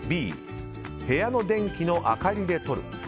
Ｂ、部屋の電気の明かりで撮る。